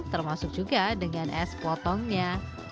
termasuk juga dengan es potongnya